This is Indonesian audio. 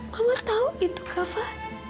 mama tahu itu kava